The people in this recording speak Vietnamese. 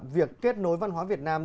việc kết nối văn hóa việt nam